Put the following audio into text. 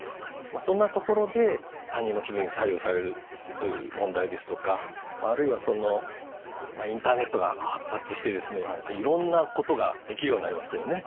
そんなところで他人の気分に左右されるという問題ですとかあるいはインターネットが発達していろんなことができるようになりましたよね。